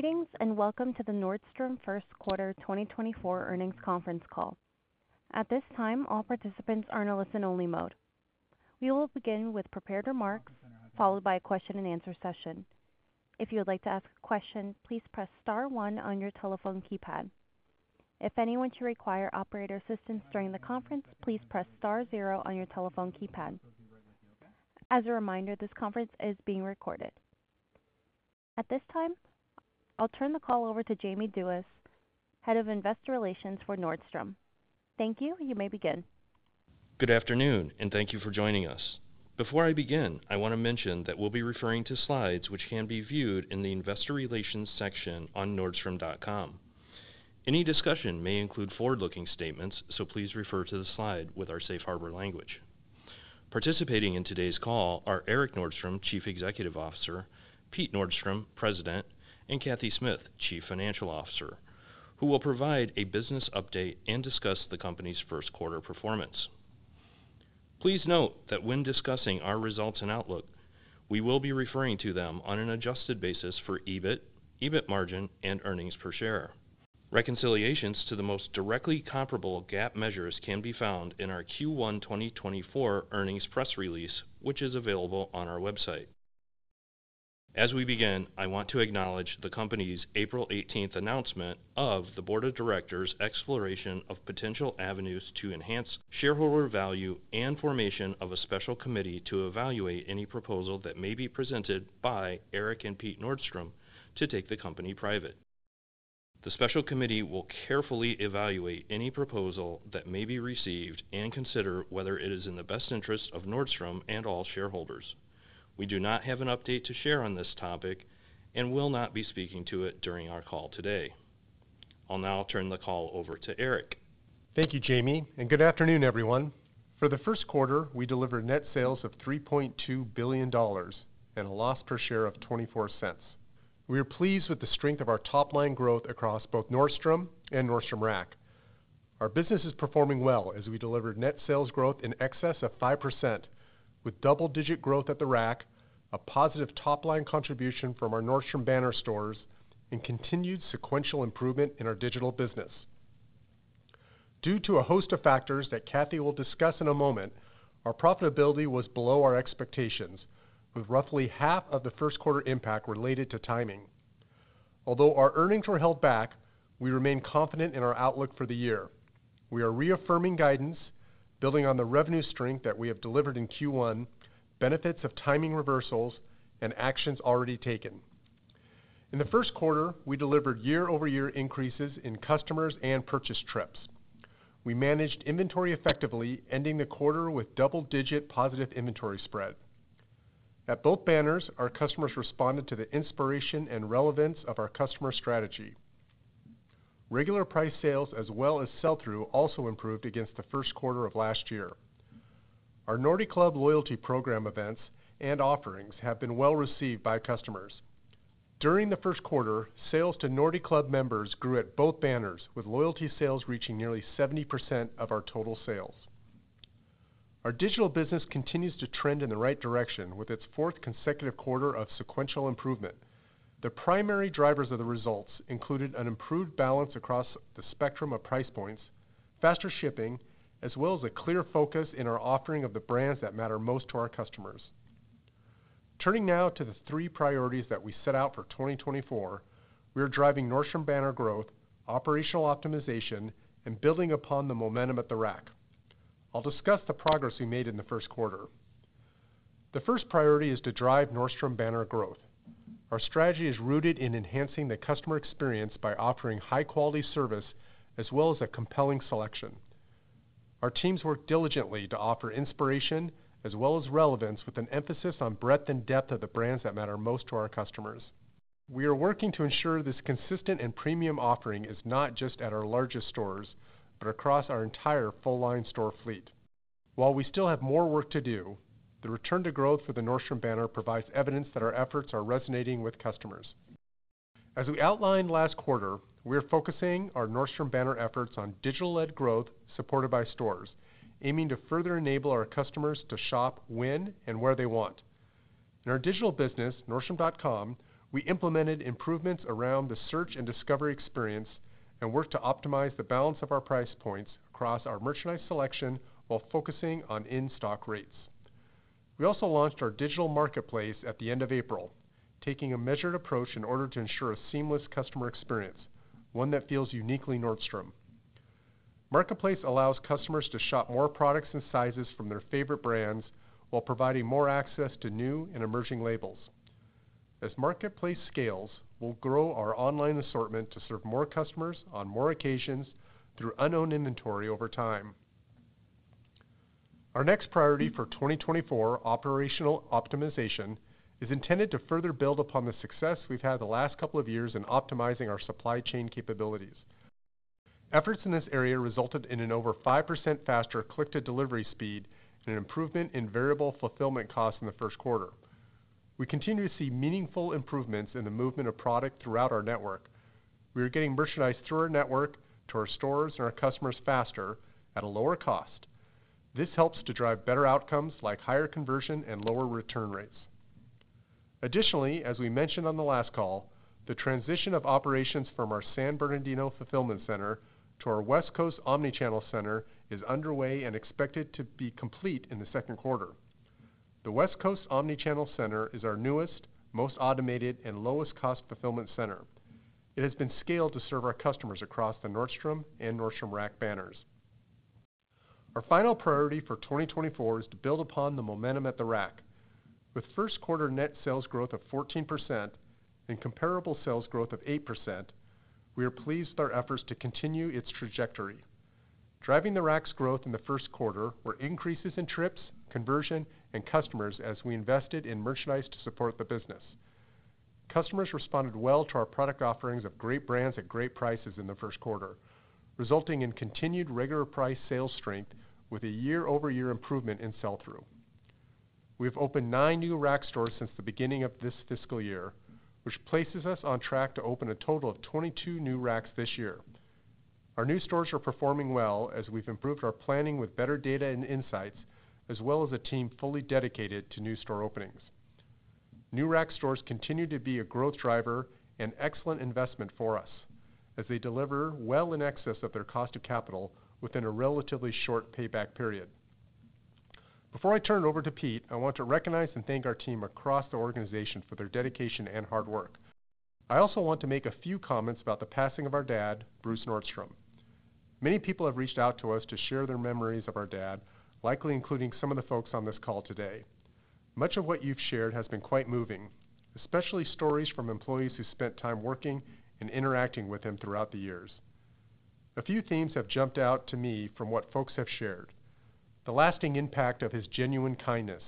...Greetings, and welcome to the Nordstrom First Quarter 2024 Earnings Conference Call. At this time, all participants are in a listen-only mode. We will begin with prepared remarks, followed by a question-and-answer session. If you would like to ask a question, please press star one on your telephone keypad. If anyone should require operator assistance during the conference, please press star zero on your telephone keypad. As a reminder, this conference is being recorded. At this time, I'll turn the call over to Jamie Duies, Head of Investor Relations for Nordstrom. Thank you. You may begin. Good afternoon, and thank you for joining us. Before I begin, I want to mention that we'll be referring to slides, which can be viewed in the Investor Relations section on nordstrom.com. Any discussion may include forward-looking statements, so please refer to the slide with our safe harbor language. Participating in today's call are Erik Nordstrom, Chief Executive Officer, Pete Nordstrom, President, and Cathy Smith, Chief Financial Officer, who will provide a business update and discuss the company's first quarter performance. Please note that when discussing our results and outlook, we will be referring to them on an adjusted basis for EBIT, EBIT margin, and earnings per share. Reconciliations to the most directly comparable GAAP measures can be found in our Q1 2024 earnings press release, which is available on our website. As we begin, I want to acknowledge the company's April 18th announcement of the Board of Directors' exploration of potential avenues to enhance shareholder value and formation of a special committee to evaluate any proposal that may be presented by Erik and Pete Nordstrom to take the company private. The special committee will carefully evaluate any proposal that may be received and consider whether it is in the best interest of Nordstrom and all shareholders. We do not have an update to share on this topic and will not be speaking to it during our call today. I'll now turn the call over to Erik. Thank you, Jamie, and good afternoon, everyone. For the first quarter, we delivered net sales of $3.2 billion and a loss per share of $0.24. We are pleased with the strength of our top-line growth across both Nordstrom and Nordstrom Rack. Our business is performing well as we delivered net sales growth in excess of 5%, with double-digit growth at The Rack, a positive top-line contribution from our Nordstrom banner stores, and continued sequential improvement in our digital business. Due to a host of factors that Cathy will discuss in a moment, our profitability was below our expectations, with roughly half of the first quarter impact related to timing. Although our earnings were held back, we remain confident in our outlook for the year. We are reaffirming guidance, building on the revenue strength that we have delivered in Q1, benefits of timing reversals, and actions already taken. In the first quarter, we delivered year-over-year increases in customers and purchase trips. We managed inventory effectively, ending the quarter with double-digit positive inventory spread. At both banners, our customers responded to the inspiration and relevance of our customer strategy. Regular price sales, as well as sell-through, also improved against the first quarter of last year. Our Nordy Club loyalty program events and offerings have been well-received by customers. During the first quarter, sales to Nordy Club members grew at both banners, with loyalty sales reaching nearly 70% of our total sales. Our digital business continues to trend in the right direction, with its fourth consecutive quarter of sequential improvement. The primary drivers of the results included an improved balance across the spectrum of price points, faster shipping, as well as a clear focus in our offering of the brands that matter most to our customers. Turning now to the three priorities that we set out for 2024, we are driving Nordstrom banner growth, operational optimization, and building upon the momentum at The Rack. I'll discuss the progress we made in the first quarter. The first priority is to drive Nordstrom banner growth. Our strategy is rooted in enhancing the customer experience by offering high-quality service as well as a compelling selection. Our teams work diligently to offer inspiration as well as relevance, with an emphasis on breadth and depth of the brands that matter most to our customers. We are working to ensure this consistent and premium offering is not just at our largest stores, but across our entire full-line store fleet. While we still have more work to do, the return to growth for the Nordstrom banner provides evidence that our efforts are resonating with customers. As we outlined last quarter, we are focusing our Nordstrom banner efforts on digital-led growth supported by stores, aiming to further enable our customers to shop when and where they want. In our digital business, Nordstrom.com, we implemented improvements around the search and discovery experience and worked to optimize the balance of our price points across our merchandise selection while focusing on in-stock rates. We also launched our digital marketplace at the end of April, taking a measured approach in order to ensure a seamless customer experience, one that feels uniquely Nordstrom. Marketplace allows customers to shop more products and sizes from their favorite brands while providing more access to new and emerging labels. As Marketplace scales, we'll grow our online assortment to serve more customers on more occasions through unknown inventory over time. Our next priority for 2024, operational optimization, is intended to further build upon the success we've had the last couple of years in optimizing our supply chain capabilities. Efforts in this area resulted in an over 5% faster click-to-delivery speed and an improvement in variable fulfillment costs in the first quarter. We continue to see meaningful improvements in the movement of product throughout our network. We are getting merchandise through our network, to our stores, and our customers faster at a lower cost. This helps to drive better outcomes, like higher conversion and lower return rates. Additionally, as we mentioned on the last call, the transition of operations from our San Bernardino fulfillment center to our West Coast omni-channel center is underway and expected to be complete in the second quarter. The West Coast omni-channel center is our newest, most automated, and lowest cost fulfillment center. It has been scaled to serve our customers across the Nordstrom and Nordstrom Rack banners. Our final priority for 2024 is to build upon the momentum at The Rack. With first quarter net sales growth of 14% and comparable sales growth of 8%, we are pleased with our efforts to continue its trajectory. Driving The Rack's growth in the first quarter were increases in trips, conversion, and customers as we invested in merchandise to support the business. Customers responded well to our product offerings of great brands at great prices in the first quarter, resulting in continued regular price sales strength with a year-over-year improvement in sell-through. We have opened nine new Rack stores since the beginning of this fiscal year, which places us on track to open a total of 22 new Racks this year. Our new stores are performing well as we've improved our planning with better data and insights, as well as a team fully dedicated to new store openings. New Rack stores continue to be a growth driver and excellent investment for us, as they deliver well in excess of their cost of capital within a relatively short payback period. Before I turn it over to Pete, I want to recognize and thank our team across the organization for their dedication and hard work. I also want to make a few comments about the passing of our dad, Bruce Nordstrom. Many people have reached out to us to share their memories of our dad, likely including some of the folks on this call today. Much of what you've shared has been quite moving, especially stories from employees who spent time working and interacting with him throughout the years. A few themes have jumped out to me from what folks have shared: the lasting impact of his genuine kindness,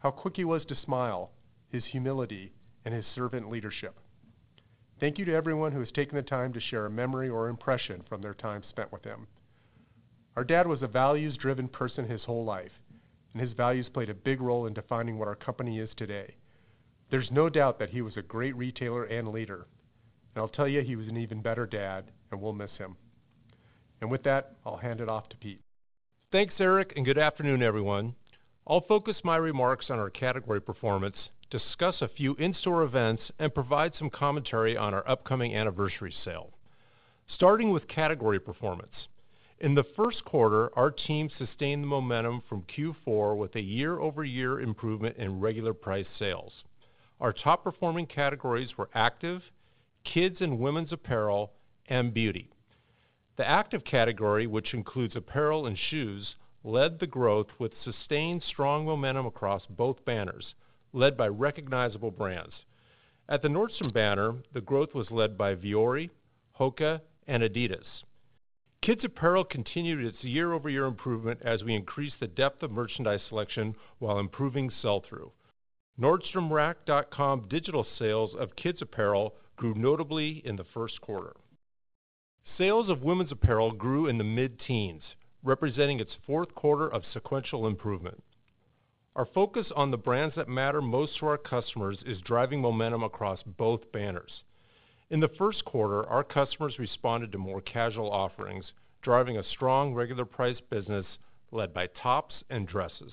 how quick he was to smile, his humility, and his servant leadership. Thank you to everyone who has taken the time to share a memory or impression from their time spent with him. Our dad was a values-driven person his whole life, and his values played a big role in defining what our company is today. There's no doubt that he was a great retailer and leader, and I'll tell you, he was an even better dad, and we'll miss him. With that, I'll hand it off to Pete. Thanks, Erik, and good afternoon, everyone. I'll focus my remarks on our category performance, discuss a few in-store events, and provide some commentary on our upcoming Anniversary Sale. Starting with category performance. In the first quarter, our team sustained the momentum from Q4 with a year-over-year improvement in regular price sales. Our top-performing categories were active, kids and women's apparel, and beauty. The active category, which includes apparel and shoes, led the growth with sustained strong momentum across both banners, led by recognizable brands. At the Nordstrom banner, the growth was led by Vuori, HOKA, and Adidas. Kids apparel continued its year-over-year improvement as we increased the depth of merchandise selection while improving sell-through. NordstromRack.com digital sales of kids' apparel grew notably in the first quarter. Sales of women's apparel grew in the mid-teens, representing its fourth quarter of sequential improvement. Our focus on the brands that matter most to our customers is driving momentum across both banners. In the first quarter, our customers responded to more casual offerings, driving a strong regular price business led by tops and dresses.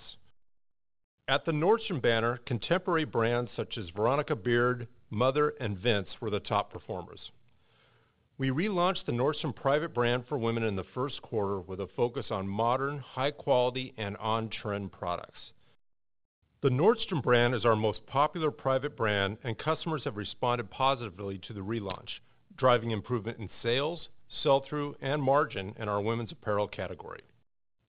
At the Nordstrom banner, contemporary brands such as Veronica Beard, Mother, and Vince were the top performers. We relaunched the Nordstrom private brand for women in the first quarter with a focus on modern, high quality, and on-trend products. The Nordstrom brand is our most popular private brand, and customers have responded positively to the relaunch, driving improvement in sales, sell-through, and margin in our women's apparel category.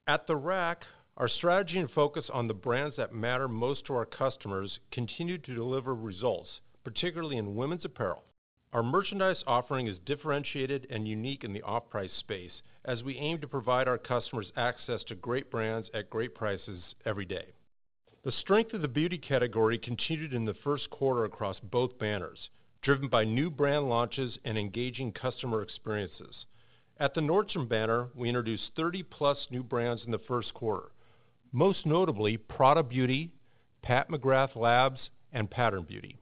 At The Rack, our strategy and focus on the brands that matter most to our customers continued to deliver results, particularly in women's apparel. Our merchandise offering is differentiated and unique in the off-price space as we aim to provide our customers access to great brands at great prices every day. The strength of the beauty category continued in the first quarter across both banners, driven by new brand launches and engaging customer experiences. At the Nordstrom banner, we introduced 30+ new brands in the first quarter, most notably Prada Beauty, Pat McGrath Labs, and Pattern Beauty.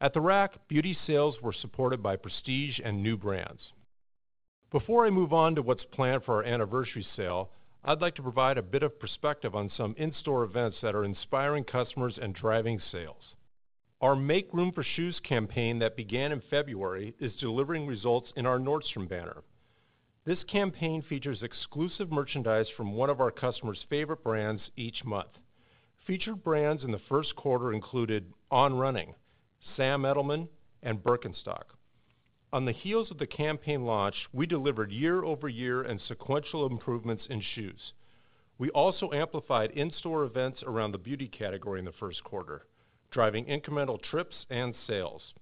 At The Rack, beauty sales were supported by prestige and new brands. Before I move on to what's planned for our Anniversary Sale, I'd like to provide a bit of perspective on some in-store events that are inspiring customers and driving sales. Our Make Room for Shoes campaign that began in February is delivering results in our Nordstrom banner. This campaign features exclusive merchandise from one of our customers' favorite brands each month. Featured brands in the first quarter included On Running, Sam Edelman, and Birkenstock. On the heels of the campaign launch, we delivered year-over-year and sequential improvements in shoes. We also amplified in-store events around the beauty category in the first quarter, driving incremental trips and sales.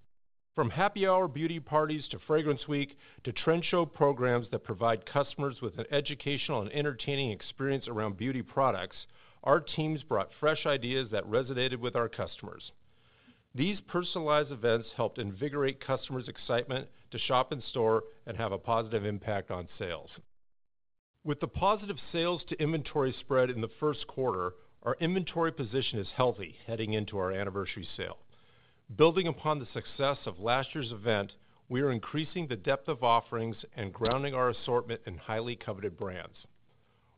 From happy hour beauty parties to fragrance week, to trend show programs that provide customers with an educational and entertaining experience around beauty products, our teams brought fresh ideas that resonated with our customers. These personalized events helped invigorate customers' excitement to shop in store and have a positive impact on sales. With the positive sales to inventory spread in the first quarter, our inventory position is healthy heading into our Anniversary Sale. Building upon the success of last year's event, we are increasing the depth of offerings and grounding our assortment in highly coveted brands.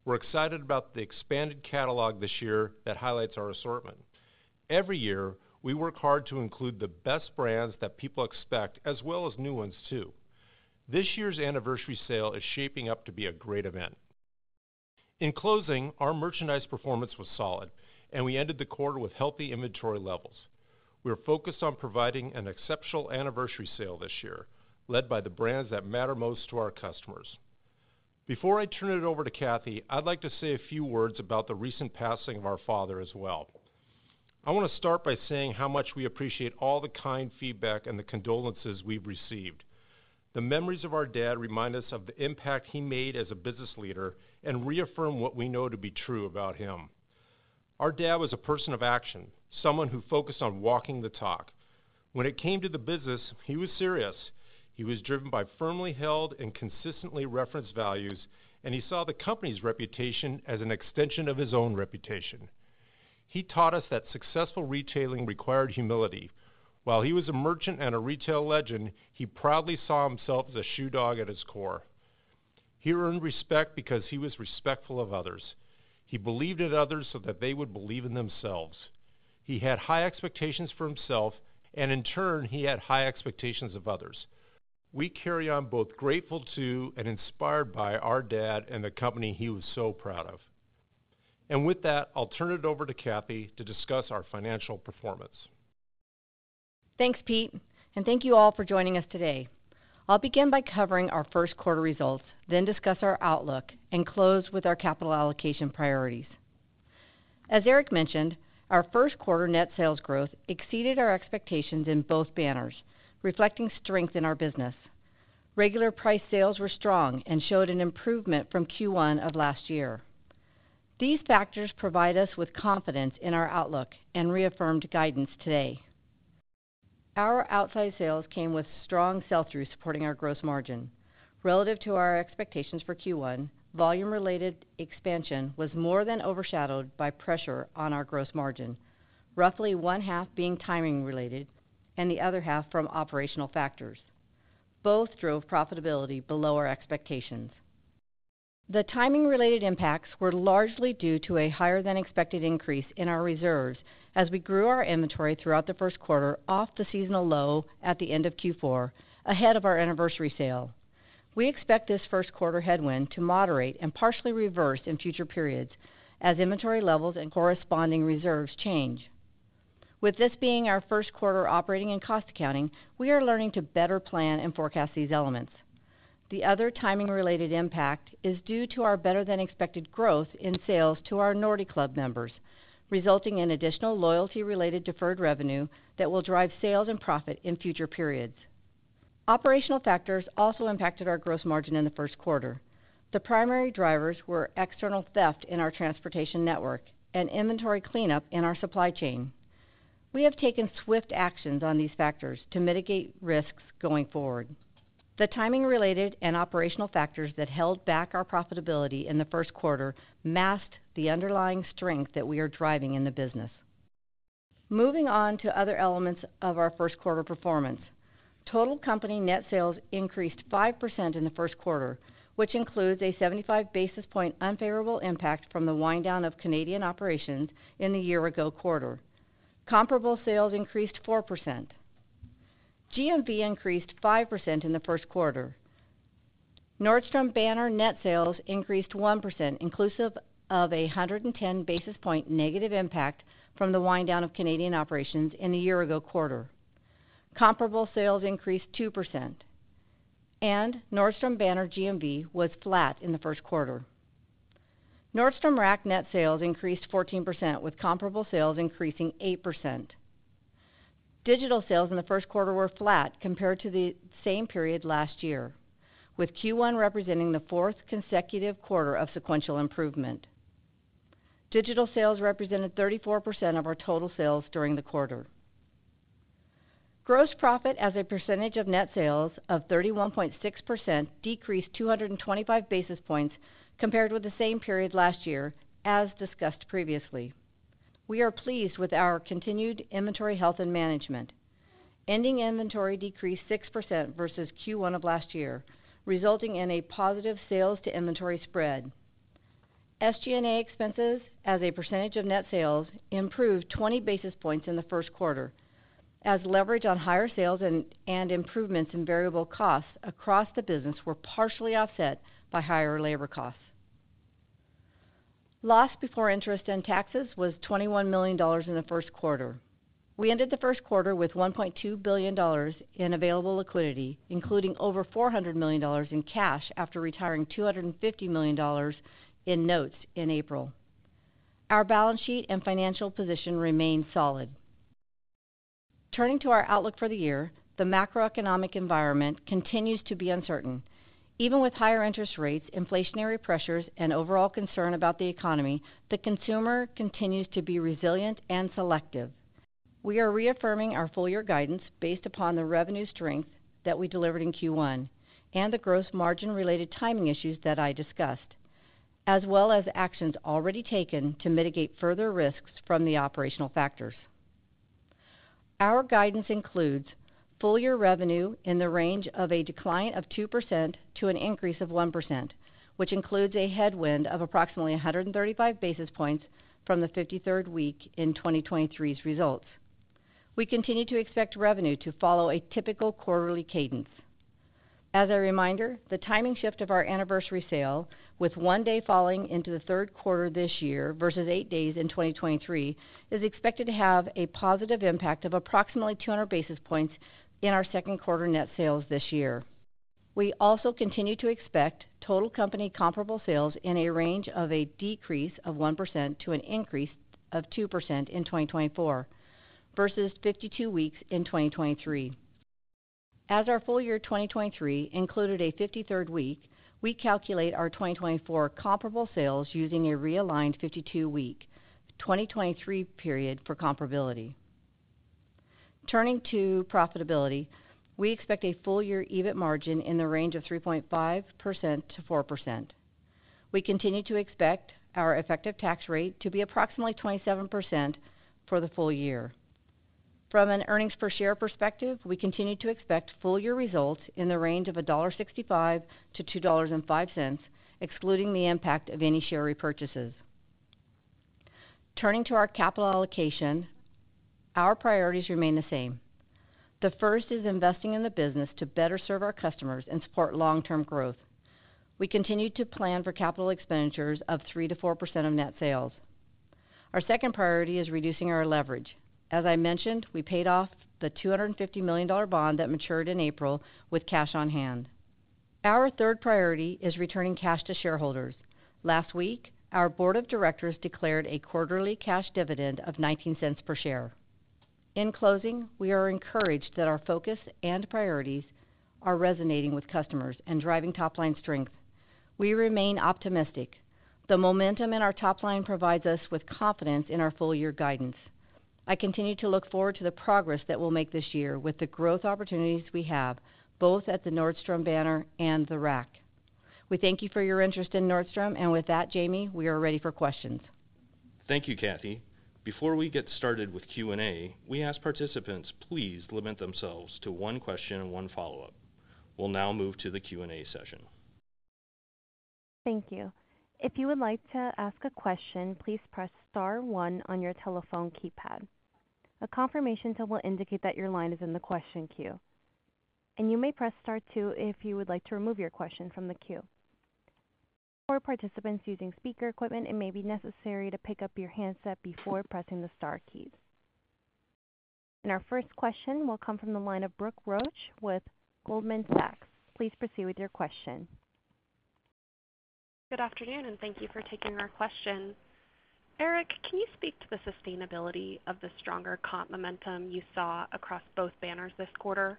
We're excited about the expanded catalog this year that highlights our assortment. Every year, we work hard to include the best brands that people expect, as well as new ones, too. This year's Anniversary Sale is shaping up to be a great event. In closing, our merchandise performance was solid, and we ended the quarter with healthy inventory levels. We are focused on providing an exceptional Anniversary Sale this year, led by the brands that matter most to our customers. Before I turn it over to Cathy, I'd like to say a few words about the recent passing of our father as well. I want to start by saying how much we appreciate all the kind feedback and the condolences we've received. The memories of our dad remind us of the impact he made as a business leader and reaffirm what we know to be true about him. Our dad was a person of action, someone who focused on walking the talk. When it came to the business, he was serious. He was driven by firmly held and consistently referenced values, and he saw the company's reputation as an extension of his own reputation. He taught us that successful retailing required humility. While he was a merchant and a retail legend, he proudly saw himself as a shoe dog at his core. He earned respect because he was respectful of others. He believed in others so that they would believe in themselves. He had high expectations for himself, and in turn, he had high expectations of others. We carry on both grateful to and inspired by our dad and the company he was so proud of. With that, I'll turn it over to Cathy to discuss our financial performance. Thanks, Pete, and thank you all for joining us today. I'll begin by covering our first quarter results, then discuss our outlook, and close with our capital allocation priorities. As Erik mentioned, our first quarter net sales growth exceeded our expectations in both banners, reflecting strength in our business. Regular price sales were strong and showed an improvement from Q1 of last year. These factors provide us with confidence in our outlook and reaffirmed guidance today. Our outsize sales came with strong sell-through, supporting our gross margin. Relative to our expectations for Q1, volume-related expansion was more than overshadowed by pressure on our gross margin, roughly one half being timing related and the other half from operational factors. Both drove profitability below our expectations. The timing-related impacts were largely due to a higher-than-expected increase in our reserves as we grew our inventory throughout the first quarter off the seasonal low at the end of Q4, ahead of our Anniversary Sale. We expect this first quarter headwind to moderate and partially reverse in future periods as inventory levels and corresponding reserves change. With this being our first quarter operating and cost accounting, we are learning to better plan and forecast these elements. The other timing-related impact is due to our better-than-expected growth in sales to our Nordy Club members, resulting in additional loyalty-related deferred revenue that will drive sales and profit in future periods. Operational factors also impacted our gross margin in the first quarter. The primary drivers were external theft in our transportation network and inventory cleanup in our supply chain. We have taken swift actions on these factors to mitigate risks going forward. The timing-related and operational factors that held back our profitability in the first quarter masked the underlying strength that we are driving in the business. Moving on to other elements of our first quarter performance. Total company net sales increased 5% in the first quarter, which includes a 75 basis points unfavorable impact from the wind down of Canadian operations in the year-ago quarter. Comparable sales increased 4%. GMV increased 5% in the first quarter. Nordstrom banner net sales increased 1%, inclusive of a 110 basis point negative impact from the wind down of Canadian operations in the year-ago quarter. Comparable sales increased 2%, and Nordstrom banner GMV was flat in the first quarter. Nordstrom Rack net sales increased 14%, with comparable sales increasing 8%. Digital sales in the first quarter were flat compared to the same period last year, with Q1 representing the fourth consecutive quarter of sequential improvement. Digital sales represented 34% of our total sales during the quarter. Gross profit as a percentage of net sales of 31.6% decreased 225 basis points compared with the same period last year, as discussed previously. We are pleased with our continued inventory health and management. Ending inventory decreased 6% versus Q1 of last year, resulting in a positive sales to inventory spread. SG&A expenses as a percentage of net sales improved 20 basis points in the first quarter, as leverage on higher sales and improvements in variable costs across the business were partially offset by higher labor costs. Loss before interest and taxes was $21 million in the first quarter. We ended the first quarter with $1.2 billion in available liquidity, including over $400 million in cash after retiring $250 million in notes in April. Our balance sheet and financial position remain solid. Turning to our outlook for the year, the macroeconomic environment continues to be uncertain. Even with higher interest rates, inflationary pressures, and overall concern about the economy, the consumer continues to be resilient and selective.... We are reaffirming our full year guidance based upon the revenue strength that we delivered in Q1 and the gross margin-related timing issues that I discussed, as well as actions already taken to mitigate further risks from the operational factors. Our guidance includes full year revenue in the range of a decline of 2% to an increase of 1%, which includes a headwind of approximately 135 basis points from the 53rd week in 2023's results. We continue to expect revenue to follow a typical quarterly cadence. As a reminder, the timing shift of our Anniversary Sale, with one day falling into the third quarter this year versus eight days in 2023, is expected to have a positive impact of approximately 200 basis points in our second quarter net sales this year. We also continue to expect total company comparable sales in a range of a decrease of 1% to an increase of 2% in 2024, versus 52 weeks in 2023. As our full year 2023 included a 53rd week, we calculate our 2024 comparable sales using a realigned 52-week, 2023 period for comparability. Turning to profitability, we expect a full year EBIT margin in the range of 3.5%-4%. We continue to expect our effective tax rate to be approximately 27% for the full year. From an earnings per share perspective, we continue to expect full year results in the range of $1.65-$2.05, excluding the impact of any share repurchases. Turning to our capital allocation, our priorities remain the same. The first is investing in the business to better serve our customers and support long-term growth. We continue to plan for capital expenditures of 3%-4% of net sales. Our second priority is reducing our leverage. As I mentioned, we paid off the $250 million bond that matured in April with cash on hand. Our third priority is returning cash to shareholders. Last week, our board of directors declared a quarterly cash dividend of $0.19 per share. In closing, we are encouraged that our focus and priorities are resonating with customers and driving top line strength. We remain optimistic. The momentum in our top line provides us with confidence in our full year guidance. I continue to look forward to the progress that we'll make this year with the growth opportunities we have, both at the Nordstrom banner and The Rack. We thank you for your interest in Nordstrom, and with that, Jamie, we are ready for questions. Thank you, Cathy. Before we get started with Q&A, we ask participants, please limit themselves to one question and one follow-up. We'll now move to the Q&A session. Thank you. If you would like to ask a question, please press star one on your telephone keypad. A confirmation tone will indicate that your line is in the question queue, and you may press star two if you would like to remove your question from the queue. For participants using speaker equipment, it may be necessary to pick up your handset before pressing the star key. Our first question will come from the line of Brooke Roach with Goldman Sachs. Please proceed with your question. Good afternoon, and thank you for taking our question. Erik, can you speak to the sustainability of the stronger comp momentum you saw across both banners this quarter?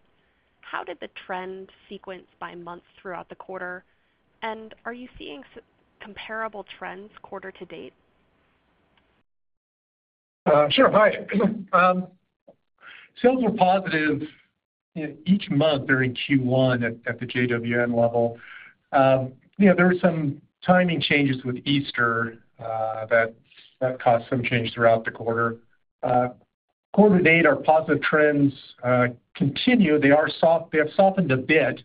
How did the trend sequence by months throughout the quarter, and are you seeing comparable trends quarter to date? Sure. Hi. Sales were positive in each month during Q1 at the JWN level. You know, there were some timing changes with Easter that caused some change throughout the quarter. Quarter to date, our positive trends continue. They are soft, they have softened a bit.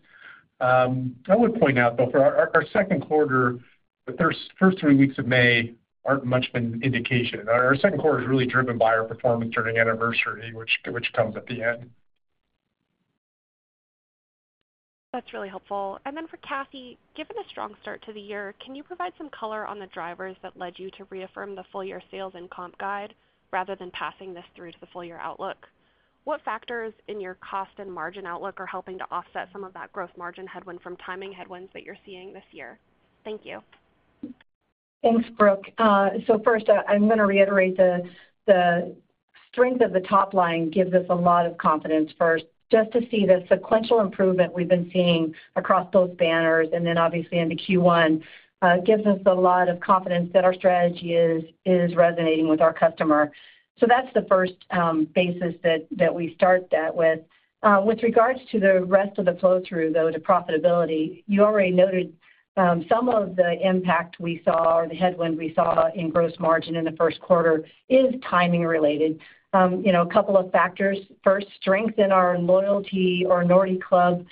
I would point out, though, for our second quarter, the first three weeks of May aren't much of an indication. Our second quarter is really driven by our performance during Anniversary, which comes at the end. That's really helpful. And then for Cathy, given a strong start to the year, can you provide some color on the drivers that led you to reaffirm the full year sales and comp guide rather than passing this through to the full year outlook? What factors in your cost and margin outlook are helping to offset some of that growth margin headwind from timing headwinds that you're seeing this year? Thank you. Thanks, Brooke. So first, I'm gonna reiterate the strength of the top line gives us a lot of confidence, first, just to see the sequential improvement we've been seeing across those banners, and then obviously into Q1, gives us a lot of confidence that our strategy is resonating with our customer. So that's the first basis that we start that with. With regards to the rest of the flow through, though, to profitability, you already noted some of the impact we saw or the headwind we saw in gross margin in the first quarter is timing related. You know, a couple of factors. First, strength in our loyalty or Nordy Club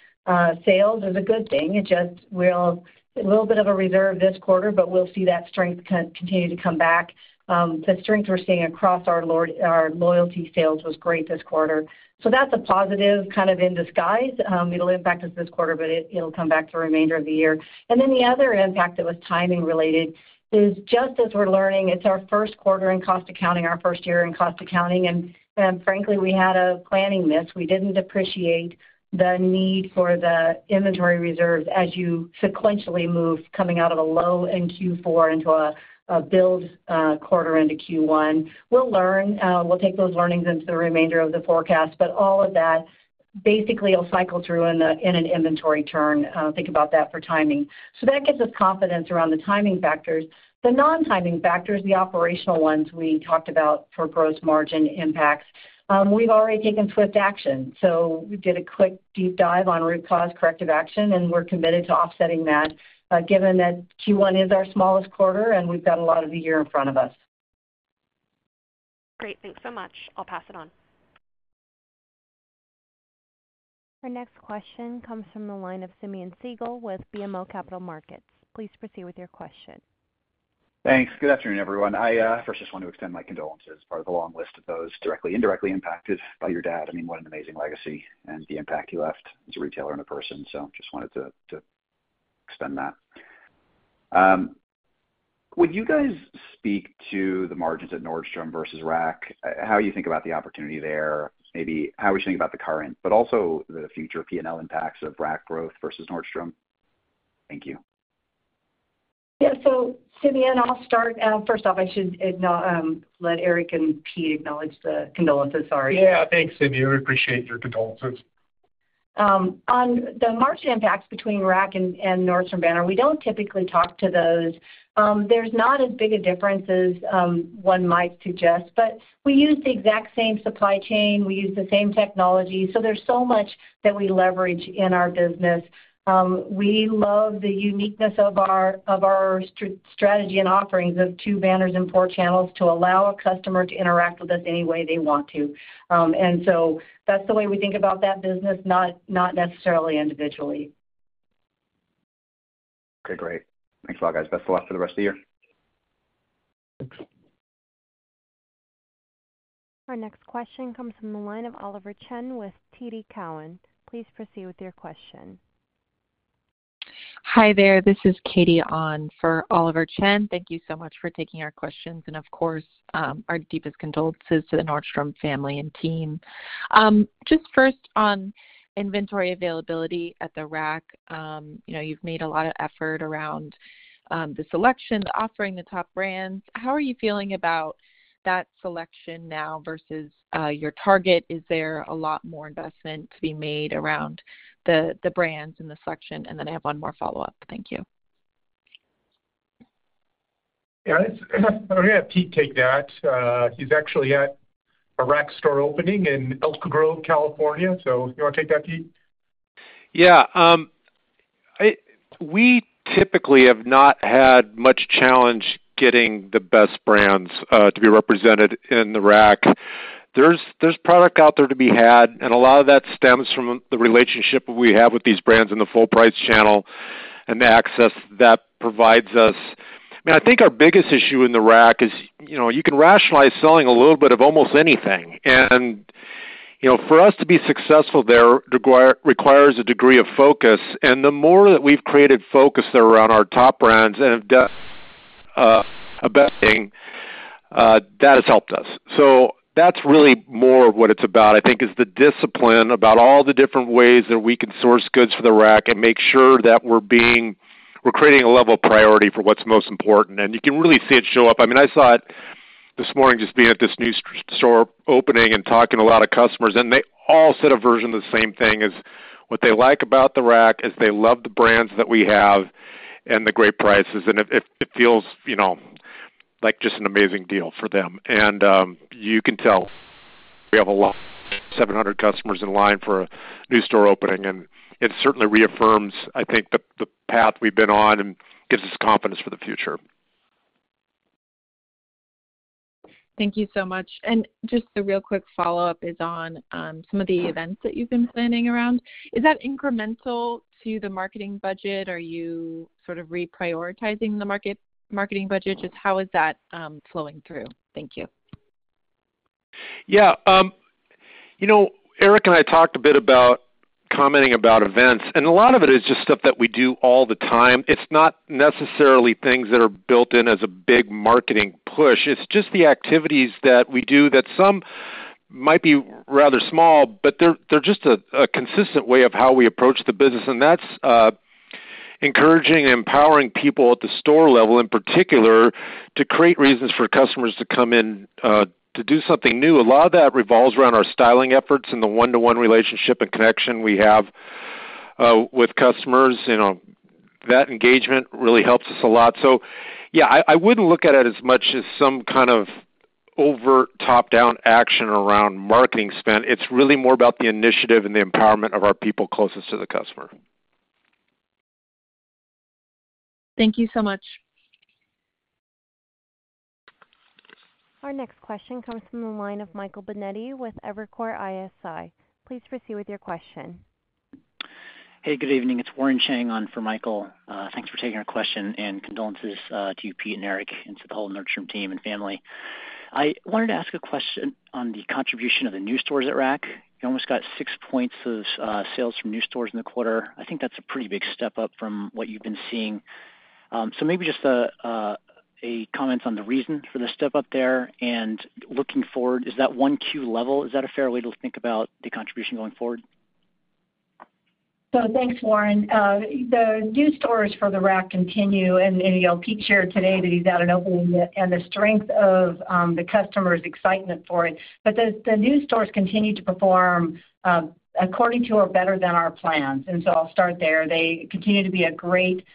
sales is a good thing. It just will, a little bit of a reserve this quarter, but we'll see that strength continue to come back. The strength we're seeing across our loyalty sales was great this quarter, so that's a positive kind of in disguise. It'll impact us this quarter, but it'll come back for the remainder of the year. Then the other impact that was timing related is just as we're learning, it's our first quarter in cost accounting, our first year in cost accounting, and frankly, we had a planning miss. We didn't appreciate the need for the inventory reserves as you sequentially move coming out of a low in Q4 into a build quarter into Q1. We'll learn, we'll take those learnings into the remainder of the forecast, but all of that- ... basically, it'll cycle through in an inventory turn. Think about that for timing. So that gives us confidence around the timing factors. The non-timing factors, the operational ones we talked about for gross margin impacts. We've already taken swift action. So we did a quick deep dive on root cause corrective action, and we're committed to offsetting that, given that Q1 is our smallest quarter, and we've got a lot of the year in front of us. Great. Thanks so much. I'll pass it on. Our next question comes from the line of Simeon Siegel with BMO Capital Markets. Please proceed with your question. Thanks. Good afternoon, everyone. I first just want to extend my condolences, part of the long list of those directly, indirectly impacted by your dad. I mean, what an amazing legacy and the impact he left as a retailer and a person. So just wanted to extend that. Would you guys speak to the margins at Nordstrom versus Rack? How you think about the opportunity there? Maybe how we think about the current, but also the future PNL impacts of Rack growth versus Nordstrom. Thank you. Yeah. So, Simeon, I'll start. First off, I should let Erik and Pete acknowledge the condolences. Sorry. Yeah. Thanks, Simeon. We appreciate your condolences. On the margin impacts between Rack and, and Nordstrom banner, we don't typically talk to those. There's not as big a difference as one might suggest, but we use the exact same supply chain. We use the same technology, so there's so much that we leverage in our business. We love the uniqueness of our, of our strategy and offerings of two banners and four channels to allow a customer to interact with us any way they want to. And so that's the way we think about that business, not, not necessarily individually. Okay, great. Thanks a lot, guys. Best of luck for the rest of the year. Thanks. Our next question comes from the line of Oliver Chen with TD Cowen. Please proceed with your question. Hi there. This is Katie on for Oliver Chen. Thank you so much for taking our questions and, of course, our deepest condolences to the Nordstrom family and team. Just first on inventory availability at the Rack. You know, you've made a lot of effort around the selection, the offering, the top brands. How are you feeling about that selection now versus your target? Is there a lot more investment to be made around the brands and the selection? And then I have one more follow-up. Thank you. Yeah, it's... I'm gonna have Pete take that. He's actually at a Rack store opening in Elk Grove, California. So you wanna take that, Pete? Yeah, we typically have not had much challenge getting the best brands to be represented in the Rack. There's, there's product out there to be had, and a lot of that stems from the relationship we have with these brands in the full price channel and the access that provides us. I mean, I think our biggest issue in the Rack is, you know, you can rationalize selling a little bit of almost anything. And, you know, for us to be successful there requires a degree of focus, and the more that we've created focus around our top brands and have done investing, that has helped us. So that's really more of what it's about, I think, is the discipline about all the different ways that we can source goods for the Rack and make sure that we're being, we're creating a level of priority for what's most important. And you can really see it show up. I mean, I saw it this morning, just being at this new store opening and talking to a lot of customers, and they all said a version of the same thing, is what they like about the Rack, is they love the brands that we have and the great prices, and it, it, it feels, you know, like just an amazing deal for them. You can tell we have a lot, 700 customers in line for a new store opening, and it certainly reaffirms, I think, the path we've been on and gives us confidence for the future. Thank you so much. Just the real quick follow-up is on some of the events that you've been planning around. Is that incremental to the marketing budget? Are you sort of reprioritizing the marketing budget? Just how is that flowing through? Thank you. Yeah, you know, Erik and I talked a bit about commenting about events, and a lot of it is just stuff that we do all the time. It's not necessarily things that are built in as a big marketing push. It's just the activities that we do that some might be rather small, but they're just a consistent way of how we approach the business, and that's encouraging and empowering people at the store level, in particular, to create reasons for customers to come in to do something new. A lot of that revolves around our styling efforts and the one-to-one relationship and connection we have with customers. You know, that engagement really helps us a lot. So yeah, I wouldn't look at it as much as some kind of overt top-down action around marketing spend. It's really more about the initiative and the empowerment of our people closest to the customer. Thank you so much. Our next question comes from the line of Michael Binetti with Evercore ISI. Please proceed with your question. Hey, good evening. It's Warren Cheng on for Michael. Thanks for taking our question, and condolences to you, Pete and Erik, and to the whole Nordstrom team and family. I wanted to ask a question on the contribution of the new stores at Rack. You almost got 6 points of sales from new stores in the quarter. I think that's a pretty big step up from what you've been seeing. So maybe just a comment on the reason for the step up there. And looking forward, is that one Q level, is that a fair way to think about the contribution going forward? ... So thanks, Warren. The new stores for the Rack continue, and, you know, Pete shared today that he's out at opening, and the strength of the customers' excitement for it. But the new stores continue to perform according to, or better than our plans, and so I'll start there. They continue to be a great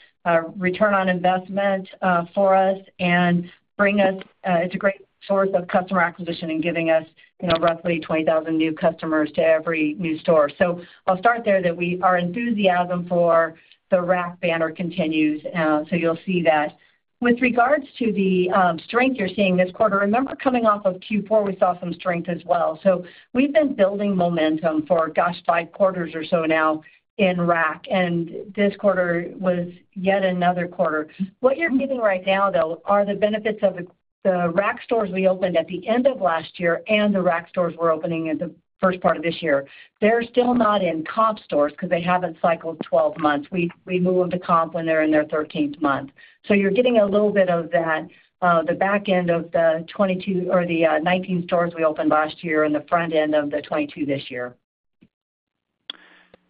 return on investment for us and bring us, it's a great source of customer acquisition and giving us, you know, roughly 20,000 new customers to every new store. So I'll start there, that we, our enthusiasm for the Rack banner continues, so you'll see that. With regards to the strength you're seeing this quarter, remember, coming off of Q4, we saw some strength as well. So we've been building momentum for, gosh, five quarters or so now in Rack, and this quarter was yet another quarter. What you're getting right now, though, are the benefits of the Rack stores we opened at the end of last year and the Rack stores we're opening in the first part of this year. They're still not in comp stores because they haven't cycled 12 months. We move them to comp when they're in their 13th month. So you're getting a little bit of that, the back end of the 22, or the 19 stores we opened last year and the front end of the 22 this year.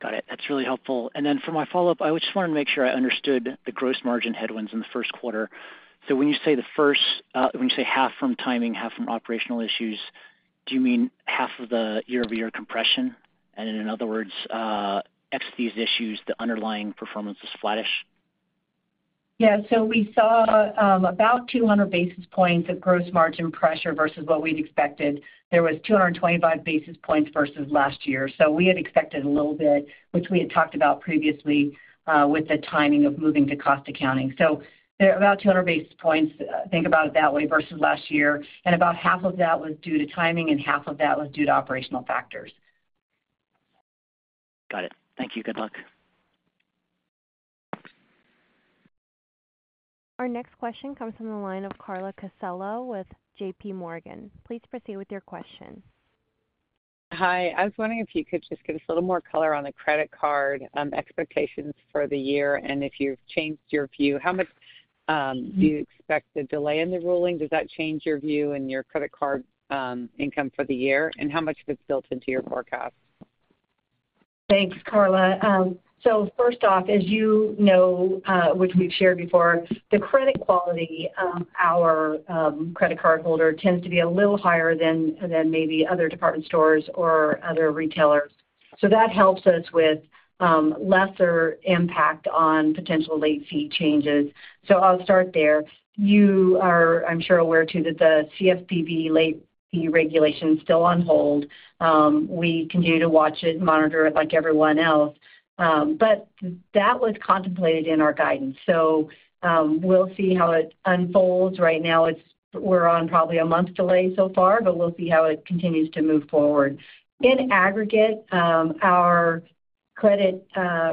Got it. That's really helpful. And then for my follow-up, I just wanted to make sure I understood the gross margin headwinds in the first quarter. So when you say half from timing, half from operational issues, do you mean half of the year-over-year compression? And in other words, ex these issues, the underlying performance is flattish? Yeah. So we saw about 200 basis points of gross margin pressure versus what we'd expected. There was 225 basis points versus last year. So we had expected a little bit, which we had talked about previously, with the timing of moving to cost accounting. So there are about 200 basis points, think about it that way, versus last year, and about half of that was due to timing and half of that was due to operational factors. Got it. Thank you. Good luck. Our next question comes from the line of Carla Casella with JPMorgan. Please proceed with your question. Hi. I was wondering if you could just give us a little more color on the credit card expectations for the year, and if you've changed your view. How much do you expect the delay in the ruling, does that change your view in your credit card income for the year, and how much of it's built into your forecast? Thanks, Carla. So first off, as you know, which we've shared before, the credit quality of our credit card holder tends to be a little higher than maybe other department stores or other retailers. So that helps us with lesser impact on potential late fee changes. So I'll start there. You are, I'm sure, aware, too, that the CFPB late fee regulation is still on hold. We continue to watch it, monitor it like everyone else, but that was contemplated in our guidance. So we'll see how it unfolds. Right now, it's - we're on probably a month's delay so far, but we'll see how it continues to move forward. In aggregate, our credit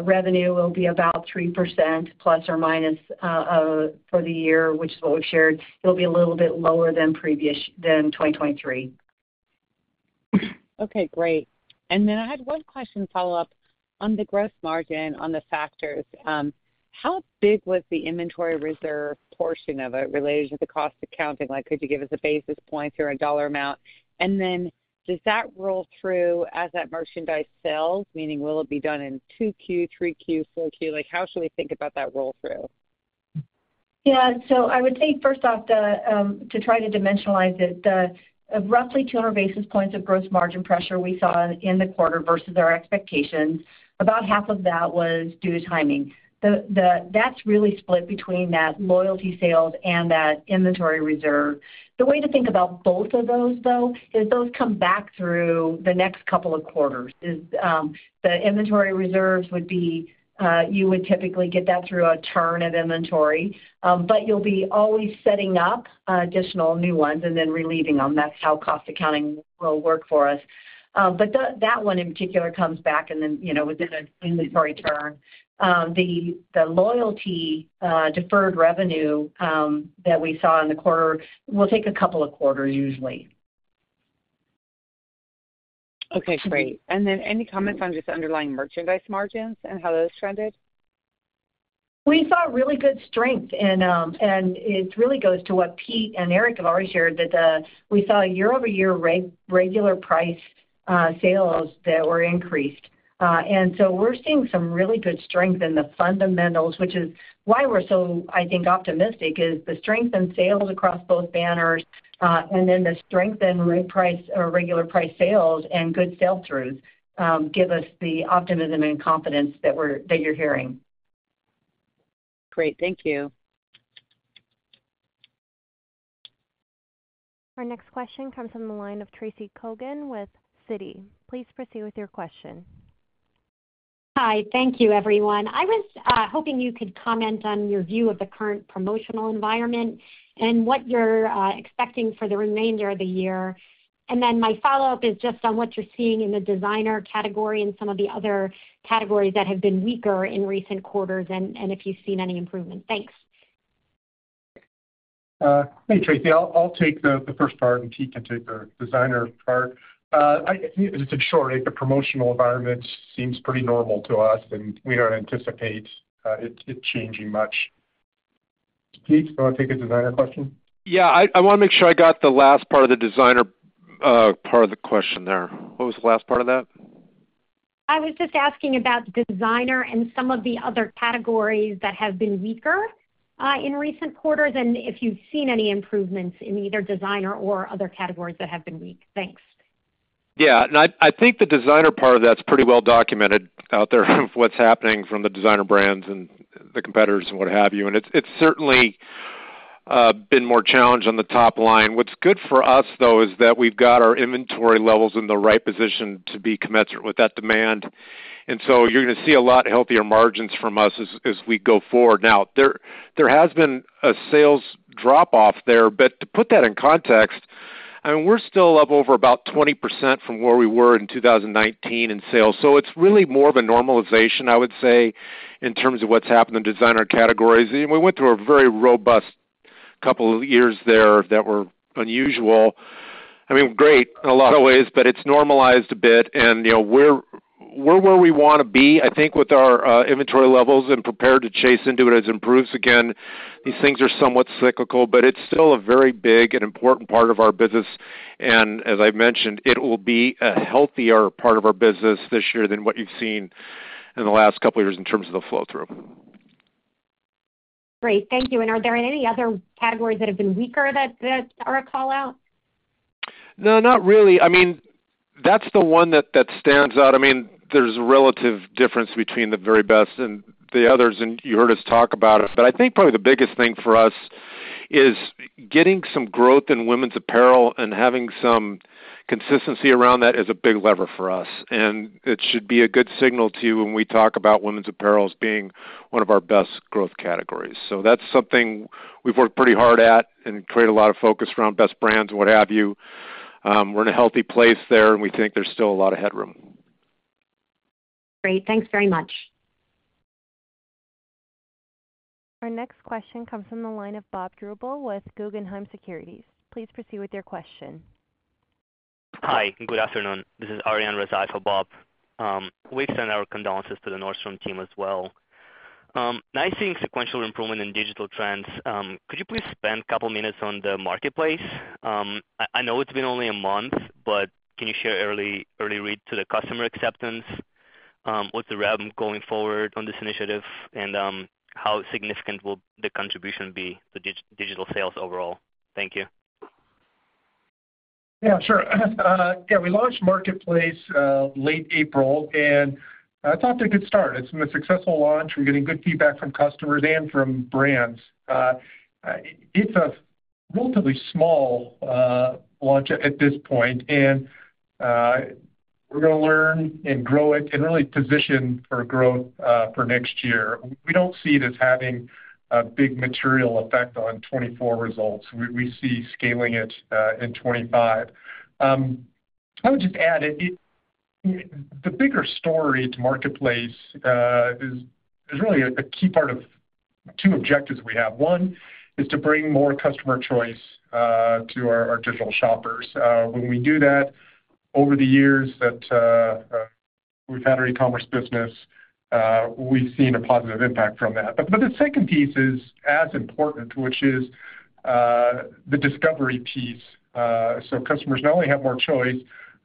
revenue will be about 3%, ±, for the year, which is what we've shared. It'll be a little bit lower than 2023. Okay, great. And then I had one question follow-up. On the gross margin on the factors, how big was the inventory reserve portion of it related to the cost accounting? Like, could you give us a basis point or a dollar amount? And then does that roll through as that merchandise sells? Meaning, will it be done in 2Q, 3Q, 4Q? Like, how should we think about that roll-through? Yeah. So I would say, first off, the, to try to dimensionalize it, the, roughly 200 basis points of gross margin pressure we saw in the quarter versus our expectations, about half of that was due to timing. The-- That's really split between that loyalty sales and that inventory reserve. The way to think about both of those, though, is those come back through the next couple of quarters. The inventory reserves would be, you would typically get that through a turn of inventory, but you'll be always setting up, additional new ones and then relieving them. That's how cost accounting will work for us. But that, that one in particular comes back and then, you know, within an inventory turn. The loyalty deferred revenue that we saw in the quarter will take a couple of quarters, usually. Okay, great. And then any comments on just the underlying merchandise margins and how those trended? We saw really good strength, and it really goes to what Pete and Erik have already shared, that we saw year-over-year regular price sales that were increased. And so we're seeing some really good strength in the fundamentals, which is why we're so, I think, optimistic, is the strength in sales across both banners, and then the strength in regular price sales and good sell-throughs give us the optimism and confidence that we're that you're hearing. Great. Thank you. Our next question comes from the line of Tracy Kogan with Citi. Please proceed with your question. Hi. Thank you, everyone. I was hoping you could comment on your view of the current promotional environment and what you're expecting for the remainder of the year? Then my follow-up is just on what you're seeing in the designer category and some of the other categories that have been weaker in recent quarters, and if you've seen any improvement? Thanks. Hey, Tracy. I'll take the first part, and Pete can take the designer part. Just in short, the promotional environment seems pretty normal to us, and we don't anticipate it changing much.... Pete, do you want to take a designer question? Yeah, I want to make sure I got the last part of the designer part of the question there. What was the last part of that? I was just asking about designer and some of the other categories that have been weaker, in recent quarters, and if you've seen any improvements in either designer or other categories that have been weak? Thanks. Yeah, and I, I think the designer part of that's pretty well documented out there of what's happening from the designer brands and the competitors and what have you. And it's, it's certainly been more challenged on the top line. What's good for us, though, is that we've got our inventory levels in the right position to be commensurate with that demand. And so you're gonna see a lot healthier margins from us as we go forward. Now, there has been a sales drop-off there, but to put that in context, I mean, we're still up over about 20% from where we were in 2019 in sales. So it's really more of a normalization, I would say, in terms of what's happened in designer categories. We went through a very robust couple of years there that were unusual. I mean, great in a lot of ways, but it's normalized a bit. You know, we're where we wanna be, I think, with our inventory levels and prepared to chase into it as it improves again. These things are somewhat cyclical, but it's still a very big and important part of our business, and as I've mentioned, it will be a healthier part of our business this year than what you've seen in the last couple of years in terms of the flow-through. Great. Thank you. And are there any other categories that have been weaker that are a call-out? No, not really. I mean, that's the one that, that stands out. I mean, there's a relative difference between the very best and the others, and you heard us talk about it. But I think probably the biggest thing for us is getting some growth in women's apparel and having some consistency around that is a big lever for us, and it should be a good signal to you when we talk about women's apparel as being one of our best growth categories. So that's something we've worked pretty hard at and created a lot of focus around best brands and what have you. We're in a healthy place there, and we think there's still a lot of headroom. Great, Thanks very much. Our next question comes from the line of Bob Drbul with Guggenheim Securities. Please proceed with your question. Hi, good afternoon. This is Arian Razai for Bob. We extend our condolences to the Nordstrom team as well. Now I think sequential improvement in digital trends, could you please spend a couple of minutes on the Marketplace? I know it's been only a month, but can you share early read to the customer acceptance, with the rev going forward on this initiative, and how significant will the contribution be to digital sales overall? Thank you. Yeah, sure. Yeah, we launched Marketplace, late April, and it's off to a good start. It's been a successful launch. We're getting good feedback from customers and from brands. It's a relatively small launch at this point, and, we're gonna learn and grow it and really position for growth, for next year. We don't see it as having a big material effect on 2024 results. We, we see scaling it, in 2025. I would just add, the bigger story to Marketplace, is really a key part of two objectives we have. One, is to bring more customer choice, to our, our digital shoppers. When we do that, over the years that, we've had our e-commerce business, we've seen a positive impact from that. But the second piece is as important, which is the discovery piece. So customers not only have more choice,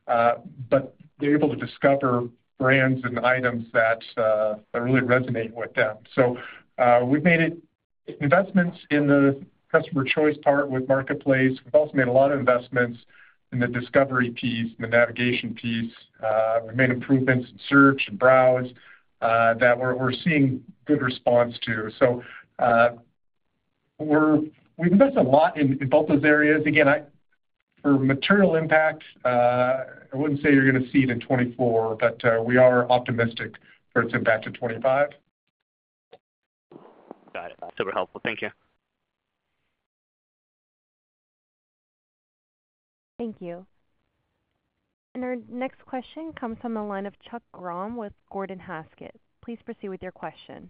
but they're able to discover brands and items that really resonate with them. So, we've made investments in the customer choice part with Marketplace. We've also made a lot of investments in the discovery piece, in the navigation piece. We made improvements in search and browse that we're seeing good response to. So, we've invested a lot in both those areas. Again, for material impact, I wouldn't say you're gonna see it in 2024, but we are optimistic for its impact in 2025. Got it. Super helpful. Thank you. Thank you. Our next question comes from the line of Chuck Grom with Gordon Haskett. Please proceed with your question.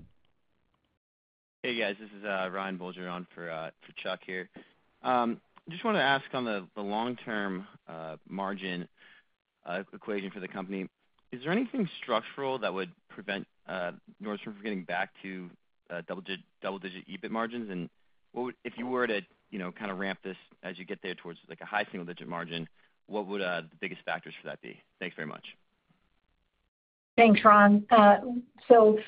Hey, guys, this is Ryan Bulger on for for Chuck here. Just wanted to ask on the the long-term margin equation for the company, is there anything structural that would prevent Nordstrom from getting back to double-digit EBIT margins? And what would, if you were to, you know, kind of ramp this as you get there towards, like, a high single-digit margin, what would the biggest factors for that be? Thanks very much. Thanks, Ryan. So,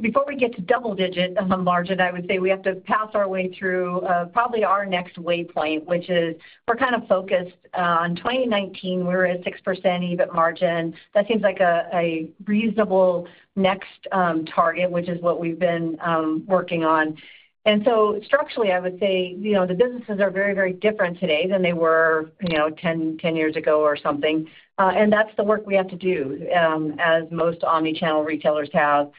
before we get to double digit on margin, I would say we have to pass our way through probably our next waypoint, which is we're kind of focused on 2019, we were at 6% EBIT margin. That seems like a reasonable next target, which is what we've been working on. And so structurally, I would say, you know, the businesses are very, very different today than they were, you know, 10, 10 years ago or something, and that's the work we have to do as most omni-channel retailers have.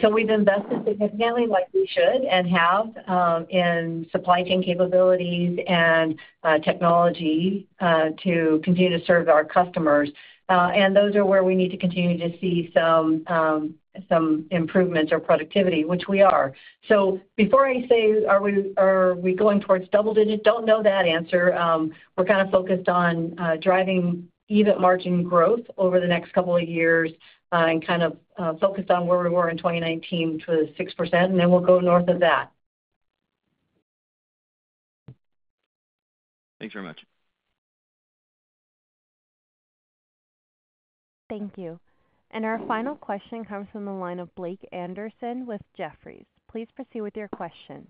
So we've invested significantly, like we should and have, in supply chain capabilities and technology to continue to serve our customers. And those are where we need to continue to see some improvements or productivity, which we are. So before I say, are we, are we going towards double digits? Don't know that answer. We're kind of focused on driving EBIT margin growth over the next couple of years, and kind of focused on where we were in 2019, which was 6%, and then we'll go north of that. Thanks very much. Thank you. Our final question comes from the line of Blake Anderson with Jefferies. Please proceed with your question.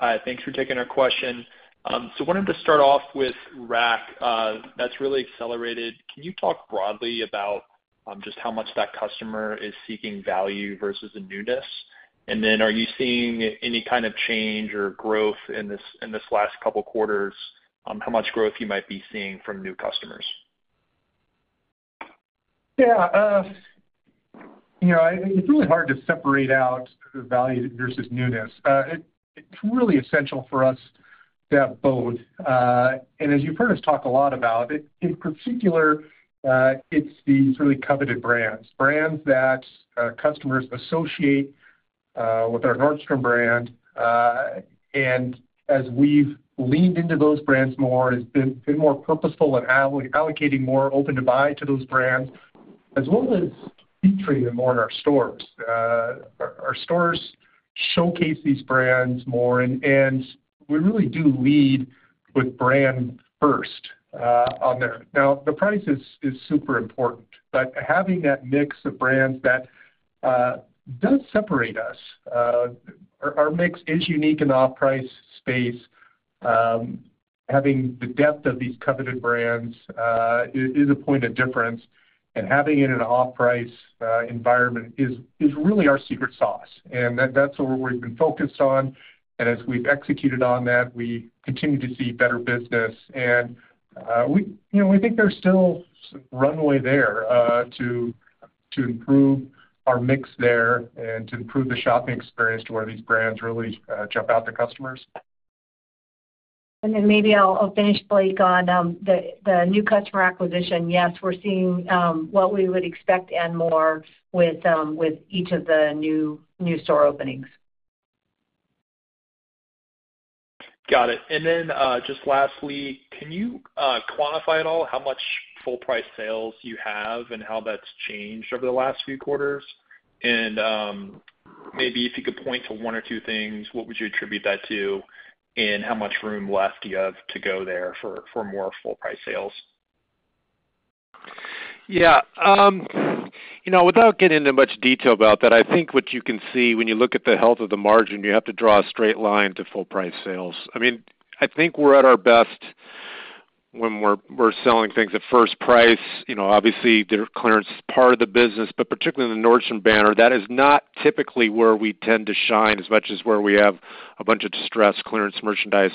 Hi, thanks for taking our question. Wanted to start off with Rack. That's really accelerated. Can you talk broadly about, just how much that customer is seeking value versus a newness? And then are you seeing any kind of change or growth in this last couple quarters, how much growth you might be seeing from new customers? Yeah, you know, it's really hard to separate out the value versus newness. It's really essential for us to have both. And as you've heard us talk a lot about it, in particular, it's these really coveted brands, brands that customers associate with our Nordstrom brand. And as we've leaned into those brands more, it's been more purposeful in allocating more open to buy to those brands, as well as featuring them more in our stores. Our stores showcase these brands more, and we really do lead with brand first, on there. Now, the price is super important, but having that mix of brands that does separate us. Our mix is unique in off-price space. Having the depth of these coveted brands is a point of difference, and having it in an off-price environment is really our secret sauce, and that's where we've been focused on. And as we've executed on that, we continue to see better business. And we, you know, we think there's still runway there to improve our mix there and to improve the shopping experience to where these brands really jump out to customers. And then maybe I'll finish, Blake, on the new customer acquisition. Yes, we're seeing what we would expect and more with each of the new store openings. Got it. And then, just lastly, can you quantify at all how much full price sales you have and how that's changed over the last few quarters? And, maybe if you could point to one or two things, what would you attribute that to, and how much room left do you have to go there for more full price sales? Yeah, you know, without getting into much detail about that, I think what you can see when you look at the health of the margin, you have to draw a straight line to full price sales. I mean, I think we're at our best when we're selling things at first price. You know, obviously, the clearance is part of the business, but particularly in the Nordstrom banner, that is not typically where we tend to shine as much as where we have a bunch of distressed clearance merchandise.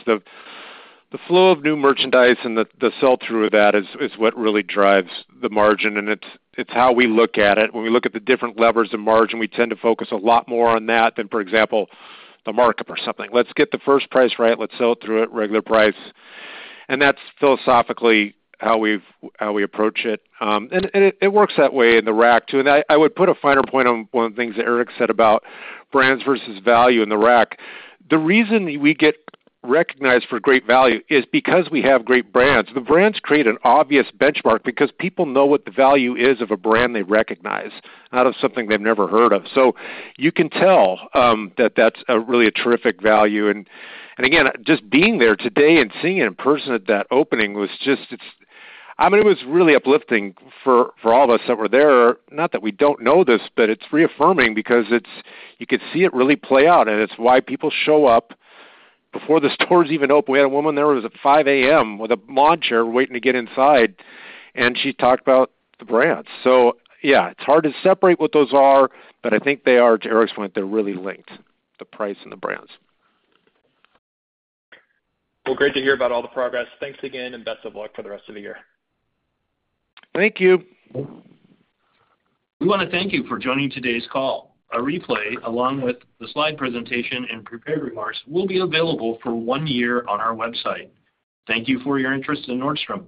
The flow of new merchandise and the sell-through of that is what really drives the margin, and it's how we look at it. When we look at the different levers of margin, we tend to focus a lot more on that than, for example, the markup or something. Let's get the first price right, let's sell it through at regular price, and that's philosophically how we approach it. And it works that way in the Rack, too. And I would put a finer point on one of the things that Eric said about brands versus value in the Rack. The reason we get recognized for great value is because we have great brands. The brands create an obvious benchmark because people know what the value is of a brand they recognize, not of something they've never heard of. So you can tell that that's a really terrific value. And again, just being there today and seeing it in person at that opening was just... It's... I mean, it was really uplifting for all of us that were there. Not that we don't know this, but it's reaffirming because it's, you could see it really play out, and it's why people show up before the stores even open. We had a woman there who was at 5:00 A.M. with a lawn chair waiting to get inside, and she talked about the brands. So yeah, it's hard to separate what those are, but I think they are, to Erik's point, they're really linked, the price and the brands. Well, great to hear about all the progress. Thanks again, and best of luck for the rest of the year. Thank you. We want to thank you for joining today's call. A replay, along with the slide presentation and prepared remarks, will be available for one year on our website. Thank you for your interest in Nordstrom.